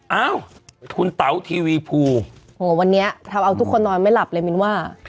เอ้าคุณเต๋าทีวีภูโหวันนี้ทำเอาทุกคนนอนไม่หลับเลยมินว่า